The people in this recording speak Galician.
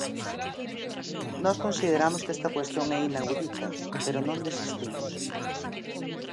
Nós consideramos que esta cuestión é inaudita, pero non desistimos.